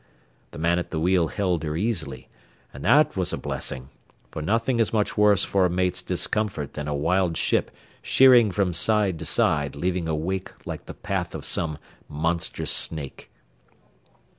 The man at the wheel held her easily, and that was a blessing; for nothing is much worse for a mate's discomfort than a wild ship sheering from side to side leaving a wake like the path of some monstrous snake.